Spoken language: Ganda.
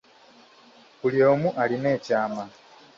Buli omu alina ekyama.